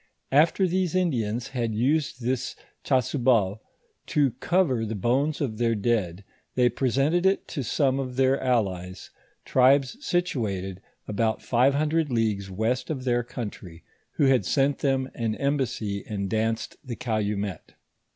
After these Indians had used this chasuble to cover the bones of their dead, they presented it to some of their allies, tribes situated about five hundred leagues west of their country, who had sent them an embassy and danced the calumet.